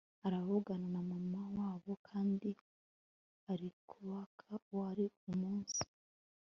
aravugana na Mama wabo…kandi akibukako wari umunsi